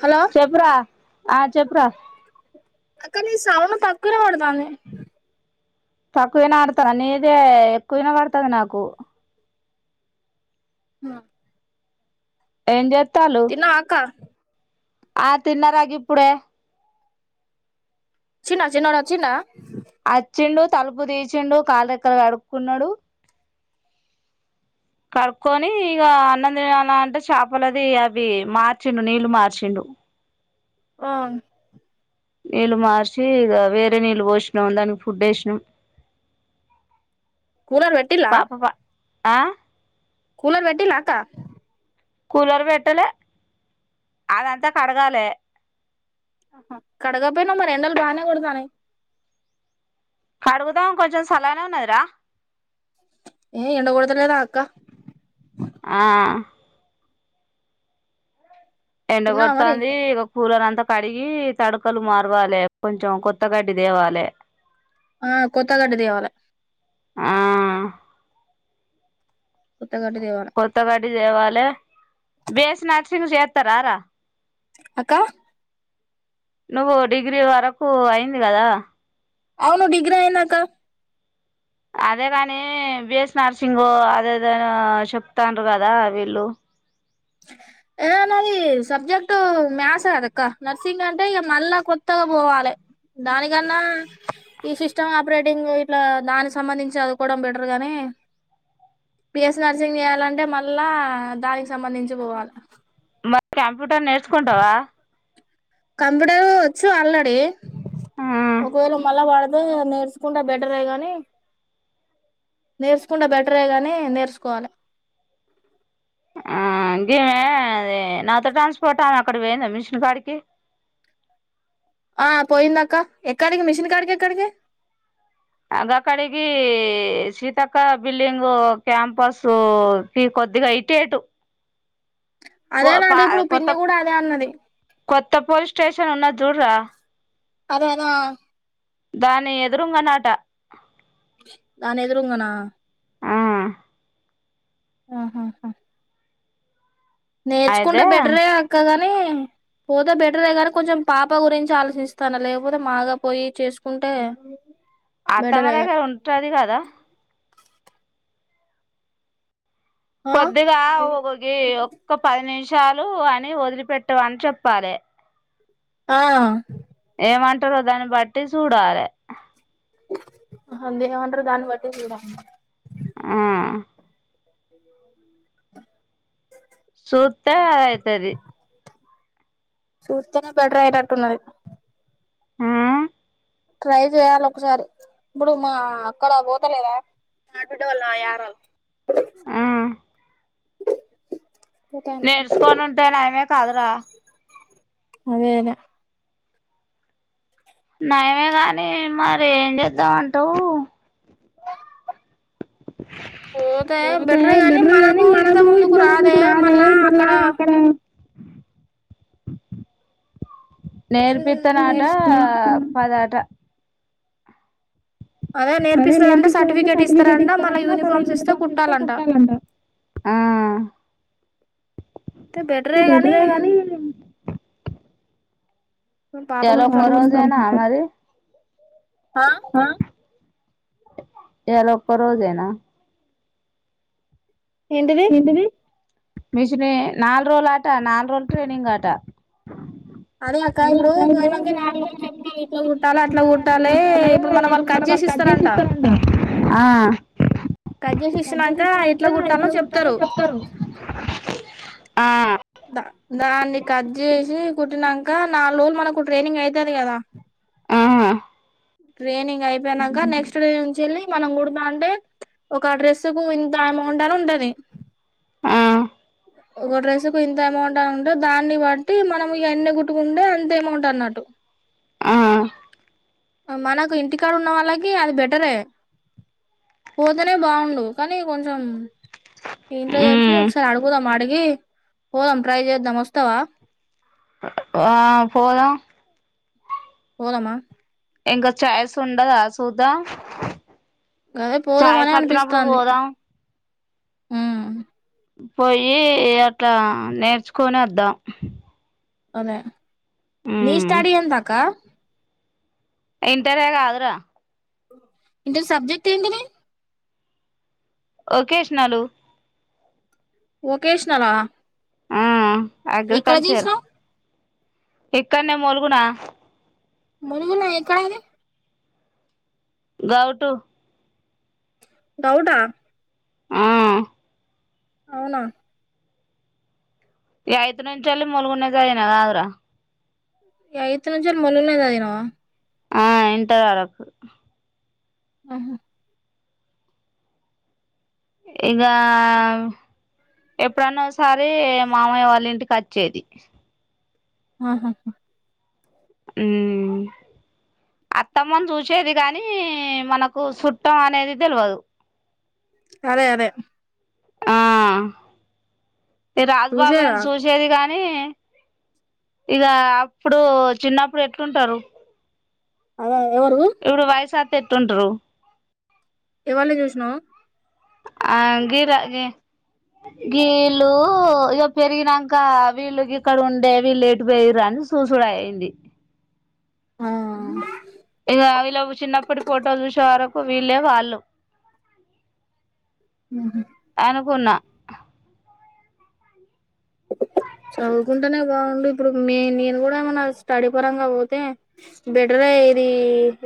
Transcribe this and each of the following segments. Hello చెప్పురా ఆ చెప్పురా అక్క నీ సౌండ్ తక్కువ ఇనపడ్తంది. తక్కువనే ఆడతాను నీదే ఎక్కువ ఇనపడతది నాకు [inaudible] ఏం జే తిన్నావా అక్కా ఆ తిన్నరా గిప్పుడే చిన్నా చిన్నోడ్ వచ్చిండా అచ్చిండు తలుపు తీచిండు కాలు రెక్కల్ కడుక్కున్నడు కడుక్కొని ఇగ అన్నం తినాల అంటే చాపలది అవి మార్చిండు నీళ్లు మార్చిండు ఆ నీళ్ళు మార్చి ఇగ వేరే నీళ్ళు పోసినం దానికి ఫుడ్ ఏసినం కూలర్ పెట్టిన్ల ఆ కూలర్ పెట్టిల్లా అక్క కూలర్ పెట్టలే అదంతా కడగాలె కడగపోయిన మరి ఎండల్ బానే కొడతాన్నయి కడుగుదాం కొంచం సళ్ళగనే ఉన్నదిరా ఏ ఎండ కొడ్తలేదా అక్క ఆ తిన్నావా మరి ఎండగొడ్తాంది ఇగ కూలర్ అంతా కడిగి తడకలు మారవాలి కొంచం కొత్తగడ్డి తేవాలె ఆ కొత్తగడ్డి తేవాలె ఆ కొత్తగడ్డి తేవాలే కొత్తగడ్డి తేవాల్ లె బి ఎస్ నర్సింగ్ చేత్తరా రా అక్క నువ్వు డిగ్రీ వరకు అయింది కదా అవును డిగ్రీ అయిందక్క అదే కాని బిఎస్ నర్సింగ్ అదేద చెప్తాన్రు కదా వీళ్ళు ఏ నాది సబ్జెక్ట్ మ్యాథ్స్ కదక్క నర్సింగ్ అంటే ఇగ మళ్ళ కొత్తగా పోవాలె దానికన్నా ఈ సిస్టమ్ ఆపరేటింగ్ ఇట్లా దాని సంబంధించి చదువుకోవడం బెటర్ గనీ బిఎస్ నర్సింగ్ చేయాలంటే మళ్ళా దానికి సంబంధించి పోవాల మరి కంప్యూటర్ నేర్చుకుంటావా కంప్యూటరు వొచ్చు ఆల్రెడీ ఒకవేళ మళ్ళా పడ్తే నేర్చుకుంటే బెటరే గనీ నేర్చుకుంటే బెటరే గనీ నేర్చుకోవాలె. ఆ ఇంకేమే అది నాతో ట్రాన్స్పోర్ట్ ఆమె అక్కడ పోయిందా మెషిన్ కాడికి ఆ పోయిందాక్క ఎక్కడికి మిషన్ కాడికి ఎక్కడికి. అ గక్కడికీ సీతక్క బిల్డింగు క్యాంపసు టి కొద్దిగా ఇటేటు. పో అదేనా పా అంటే ఇప్పుడు పిన్ని కూడా అదే అన్నది. త పోలీస్ స్టేషన్ ఉన్నది జూడరా. అదేనా. దాని ఎదురుంగ నాట. దాని ఎదురుంగనా. ఆ. ఆ హా హా హా. నేర్చకుంటె అయితే బెట్రే అక్క గని. పేమ్ పోతే బెటరే గనీ కొంచెం పాప గురించి ఆలోచిస్తాన్న లేకపోతే మాగా పోయి చేసుకుంటే. అత్తమ్మ బెటరే దగ్గర ఉంటది కదా. ఆ కొద్దిగా ఒగే ఒక్క పది నిమిష. చాలు అని వదిలిపెట్టువని చెప్పాలె. ఆ. ఏమంటారో దాని బట్టి సుడాలే. మున్ దేమంటరో దాన్ని బట్టి సూడా. ఆ. [inaudible] సుత్తే అయితది. సూస్తేనే బెటర్ అయితట్టున్నది. ఆ. ట్రై చేయాలి ఒకసారి ఇప్పుడు మా అక్కడ పోతలేద. ఆ. పోతాంది నేర్సుకొని ఉంటే ఆయమే కాదురా. అదే అదే. నయమే గాని మరి ఏం జెద్దామంటావూ. పోతే బెటర్ గనీ మనకు ఇంత ముందుకు రాదే మళ్ళ అక్కడ. నేర్పిపిత్తే నాటా నేర్చుకున్నా పద. [unintelligible] అదే నేపిస్తారంట సర్టిఫికెట్ ఇస్తారంటా మళ్ళ యూనిఫామ్స్ ఇస్తే కుట్టాలంట ఆ. అంటే ఇంకా బెటరే గాని బెటరేగనీ. పాప గురించి ఆలోచిస్తారు [unintelligible] ఆ అ. ఇయాలా ఒక్క రోజేనా. ఏంటిది. మిషిని నాల్రోరట ఆట, నాల్రోల్ ట్రైనింగ్ ఆట. నాలుగు రోజులు చెప్పింది, ఇట్లా కుట్టాలి అట్లా కుట్టాలి ఇప్పుడు మన వాళ్ళు కట్ చేసి ఇస్తారంట కట్ జేస్. పెద్ద మిషిన్ అంటే ఎట్లా కుట్టాల్నో చెప్తారు. ఆ. ద దాన్ని కట్ చేసి కుట్టినంక, నాలుగు రోజులు మనకు ట్రైనింగ్ అయితాంది కదా. ఆహ్. ట్రైనింగ్ అయిపోయినంక, నెక్స్ట్ డే నుంచి చేళ్ళి మనంకుడతాంటే, ఒక డ్రెస్సు కు ఇంత అమౌంట్ అని ఉంటది. ఆ ఒక డ్రెస్ కు ఇంత అమౌంట్ అని ఉంటే దాన్ని బట్టి మనం ఇగా ఎన్ని కుట్టుకుంటే అంత అమౌంట్ అన్నట్టు. ఆ మనకు ఇంటి కాడ ఉన్న వాళ్ళకి అది బెటరే, పోతేనే బాగుండు కానీ కొంచెం. ఇంట్లో చెప్పి ఒకసారి అడుగుదాం, అడిగి. పోదాం ట్రై చేద్దాం, వస్తావా. ఆ పోదాం. పోదామా. ఇంకా ఛాయిస్ ఉండదా సుద్దాం. గదే పోదామనే అనిపిస్థాంది. ఉమ్మ్. పోయ్యి అట్లా నేర్చుకొని అద్దాం. అదే. నీ స్టడీ ఎందాకా. ఇంటర్ గాదుర. ఇంటర్ సబ్జెక్ట్ ఏంటిది. ఓకేష్నాలు. ఒకేషనల్ ఆ. ఆ అగ్రికల్చర్. ఇక్కడ్నే మూలుగునా. ములుగున ఎక్కడది. గౌటు. గౌటా. ఆ. అవునా. య్యాయిత్ నుంచెల్లి, ములుగుల్నే చదివినవ్ కద్రా. య్యాయిత్ నుంచెల్లి ముల్గుల్నే చదివినవ. ఆ ఇంటర్ వరకు. ఆహుమ్. ఇగా ఎప్పుడన్నా ఓసారి, మామయ్య వాళ్ళ ఇంటికి అచ్చేది. ఆహా. ఉమ్మ్ అత్తమ్మను చూసేది కానీ, మనకు సుట్టం అనేది తెల్వదు. అదే అదే. ఆ. ఈ రాగ్ బాబాయి నీ, చూసేదా సుచేది కాగానీ. కానీ ఇక అప్పుడు చిన్నప్పుడు ఎట్లుంటారు అ ఎవడు వయసా ఎట్లుంటరు ఎవల్ని చూసినవ్ ఆ గిరా గ గీళ్ళు ఇగొ పెరిగినంక వీలు గి క్క ఉండే విల్లెటూపోయియ్యిర్రు అని అని సూసుడైంది ఆ వీళ్లే వాళ్ళు అనుకున్నా చదువుకుంటేనే బాగుండు ఇప్పుడు నేను కూడా ఏమైనా స్టడీ పరంగా పోతే బెటరే ఇది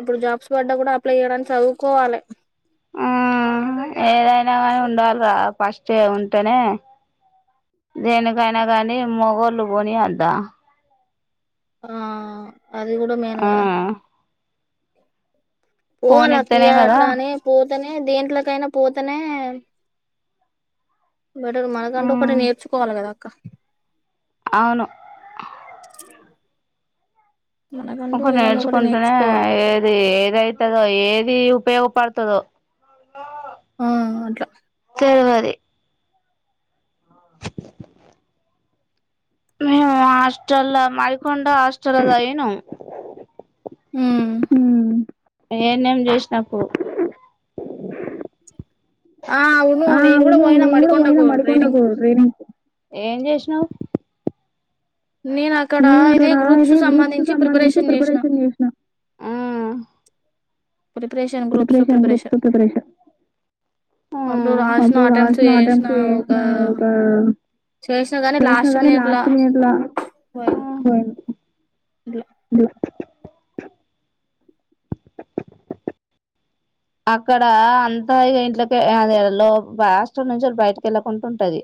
ఇప్పుడు జాబ్స్ పడ్డా కూడా అప్లైయడానికి చదువుకోవాలి ఆ ఏదైనా కానీ ఉండాలి రా ఫ స్టే ఉంటేనే దేనికైనా కానీ మొగళ్ళు పోనియద్దా ఆ అది కూడా మెయిన్ ఆ కదా పోవ పోనిత్తేనే నక్కియా ఇ కదా అట్లానే పో తనే దేంట్లోకైనా పోతనే బెటర్ మనకంటే ఒకటి ఉమ్ నేర్చుకోవాలి కదా అక్క అవును మనకంటూ ఇంకా ఏదన్నా ఒకటి నేర్చుకుంటేనే నేర్చుకోవాలి ఏది ఏదైతే ఏది ఉపయోగపడుతదో ఉం అట్లా తెల్వాది మను హస్టల్ మడికొండ హాస్టెల్ ల చదివినం ఉమ్ ఎ న్ ఎం చేసినప్పుడు ఆ అవును ఆ నేను కుడా అవును పోయిన నేను కూడా పోయినా మడికొండకు ట్రైనింగ్ మడికొండకు కు ట్రైనింగ్ కి ఏం చేసినవ్ నేను అక్కడ ఇదే గ్రూప్ సంబంధించి ప్రిపరేషన్ చేసిన ఆ preparation groups preparation groups preparation ఉ అప్పుడు రాసిన ఆటెప్ట్ చేసిన ఒక చేసిన గాని చేసినా లాస్ట్ కానీ మినిట్ లా లాస్ట్ మినిట్లా పోయింది ఇట్లా అ [inaudible] అక్కడ అంతై ఇంట్లోకె అది లో హాస్టల్ నుంచి వాళ బయటకెళ్ళ కొంటుంటది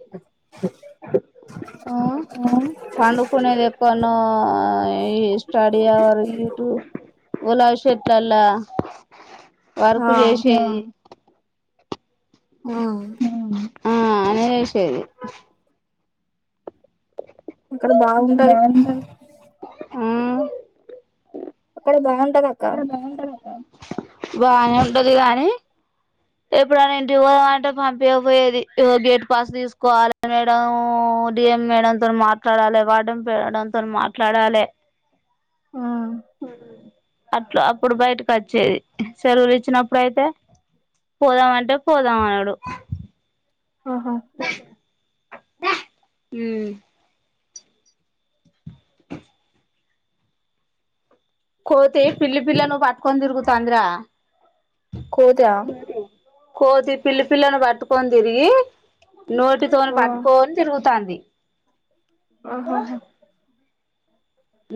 ఆ పండుకునేది ఎక్కన్నో ఈ స్టడీ అవర్ ఇటు ఒలాబీ చెట్లల్లా వర్క్ ఆ చేసి ఉ ఆ అనే చెస్ సేది అక్కడ బాగుంటది ఆ అక్కడ బాన్ అక్కడ బాగుంటది అక్క బాగానే ఉంటది గాని ఎప్పుడనా ఇంటికి పొదమంటే పంపియాక పోయేది ఇగో గేట్ పాస్ తీసుకోవాలే మేడం డిఎం మేడంతో మాట్లాడాలే వార్డెన్ మేడంతోనీ మాట్లాడాలె ఆ అట్లా అప్పుడు బయటకు వచ్చేది సెలవులు ఇచ్చినప్పుడుయితే పోదామంటే పోదాం అనుడు ఆహా ఉ కోతే పిల్లి పిల్లను పాట్టుకొని తిరుగు తంది రా కోతా కోతి పిల్లి పిల్లను పట్టుకొని తిరిగి నోటితోని ఓ పట్టుకొని తిరుగుతంది ఆహాహ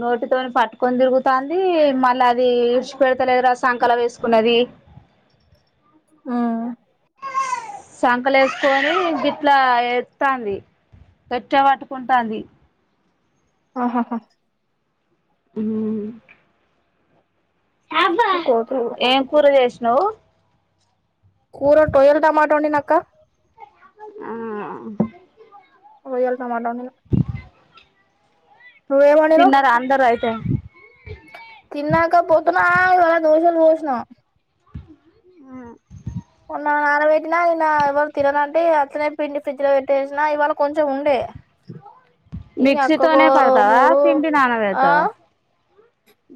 నోటితోని పట్టుకొని తిరుగుతంది మళ్ళీ అది ఇడిచిపెడతలేదు రా సంకల వేసుకున్నది ఉ సంకలో ఏసుకొని గిట్లా ఎత్తుతంది గట్టిగా పట్టుకుంటాంది ఆహాహా ఉ కోతులు ఏం కూర చెస్ నువ్ కూర టొయల్ టమాటో వండినా అక్క ఆ ఓయల్ టమాటో వండిన నువ్వేం వండినవ్ తిన్నార అందరూ అయి తే తిన్నాక పోతున్నా ఇవళ దోషలు పోషినా మోన్న నానబెట్టిన నిన్న ఎవరు తిననంటే ఇగ అట్లనే పిండి ఫ్రిడ్జ్ లో పెట్టేసినా ఇవాళ కొంచెం ఉండే ఈ అక్కకు మిక్సితోనే పడదావా మూడు పిండి ఆ నానాబెడతావా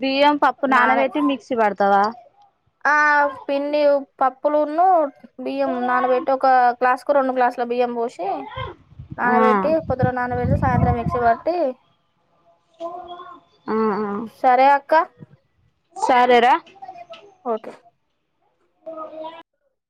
బియ్యం పప్పు నాన బెట్టి మిక్సి పడత్ తవా ఆ పిన్ని పప్పులున్న బియ్యం నాన్నబెట్టి ఒక గ్లాస్ కు రెండు గ్లాస్సులు బియ్యం పోసి ఆ నానబెట్టి కొద్దిగా నానబెట్టి సాయంత్రం మిక్సీ పట్టి సరే ఇంకా సారీ రా [unintelligible] [unintelligible]